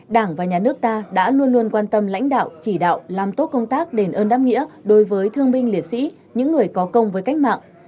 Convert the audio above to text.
đảng và nhà nước ta đã luôn luôn quan tâm lãnh đạo chỉ đạo làm tốt công tác đền ơn đáp nghĩa đối với thương binh liệt sĩ những người có công với cách mạng